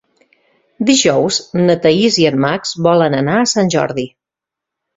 Dijous na Thaís i en Max volen anar a Sant Jordi.